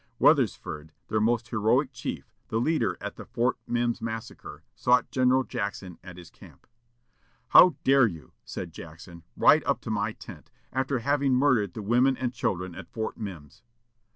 Weathersford, their most heroic chief, the leader at the Fort Mims massacre, sought General Jackson at his camp. "How dare you," said Jackson, "ride up to my tent, after having murdered the women and children at Fort Mims?"